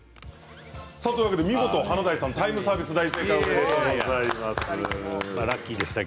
見事、華大さんタイムサービス、大正解おめでとうございます。